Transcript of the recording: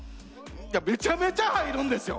いやめちゃめちゃ入るんですよ！